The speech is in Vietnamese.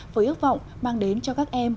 với ước vọng mang đến cho các em